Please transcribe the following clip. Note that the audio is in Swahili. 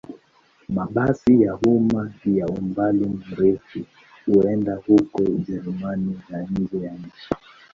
Mabasi ya umma ya umbali mrefu huenda huko Ujerumani na nje ya nchi.